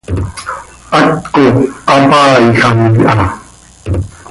haptco hapaiijam iha.